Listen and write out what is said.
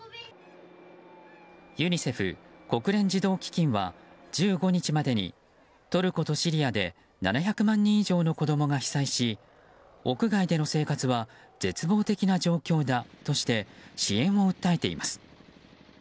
ユニセフ・国連児童基金は１５日までにトルコとシリアで７００万人以上の子供が被災し屋外での生活は絶望的な状況だとして支援を訴えています。